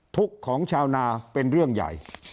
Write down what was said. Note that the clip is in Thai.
ทุกข์ของชาวนาเป็นเรื่องใหญ่